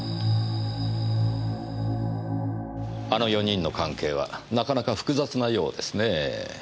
あの４人の関係はなかなか複雑なようですねぇ。